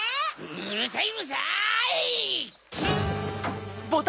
うるさいうるさい！